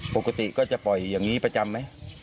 ปกติก็จะปล่อยอย่างนี้ประจำไหม